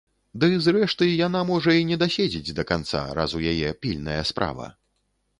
Ды, зрэшты, яна можа і не даседзець да канца, раз у яе пільная справа.